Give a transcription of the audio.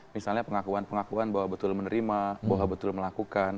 misalnya pengakuan pengakuan bahwa betul menerima bahwa betul melakukan